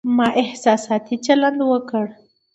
ما احساساتي چلند وکړ